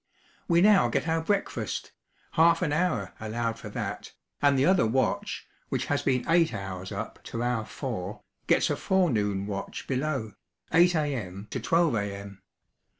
We now get our breakfast (half an hour allowed for that), and the other watch, which has been eight hours up to our four, gets a forenoon watch below (8 A.M. to 12 A.M.)